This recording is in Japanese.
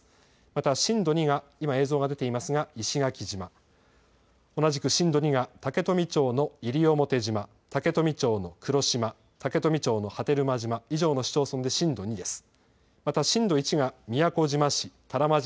また震度２が今、映像が出ていますが石垣島、同じく震度２が竹富町の西表島、竹富町の黒島、竹富町の波照間島、以上の市町村で震度２です。